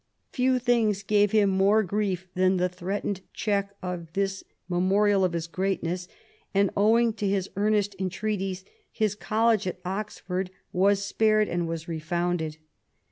Few things gave him more grief than the threatened check of this memorial of his greatness, and owing to his earnest entreaties his college at Oxford was spared and was refounded.